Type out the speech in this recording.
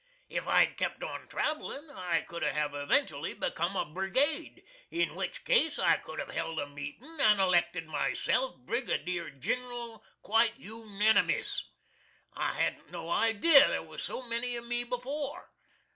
If I'd kept on travelin' I should hav eventooaly becum a Brigade, in which case I could have held a meetin' and elected myself Brigadeer ginral quite unanimiss. I hadn't no idea there was so many of me before.